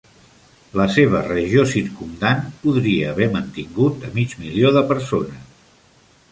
La seva regió circumdant podria haver mantingut a mig milió de persones.